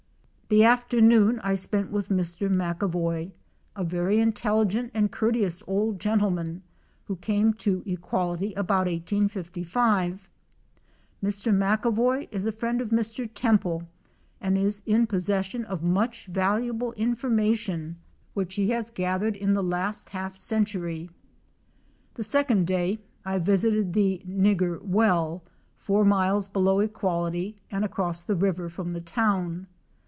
The afternoon I spent with Mr. McAvoy, a very intelligent and courteous old gentleman who came to Equality about 1855. Mr. McAvoy is a friend of Mr. Temple and is in possession of much valuable information which he has gathered in the last half century. 257 The second day I visited the "Nigger Well," four miles below Equality and across the rivor from the town.